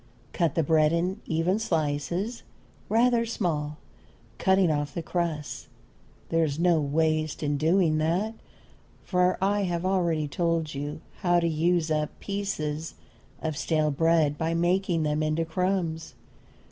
Cut the bread in even slices, rather small, cutting off the crusts. There is no waste in doing that, for I have already told you how to use up pieces of stale bread by making them into crumbs.